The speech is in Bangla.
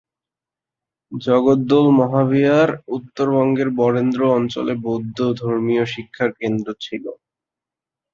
জগদ্দল মহাবিহার উত্তরবঙ্গের বরেন্দ্র অঞ্চলে বৌদ্ধ ধর্মীয় শিক্ষার কেন্দ্র ছিল।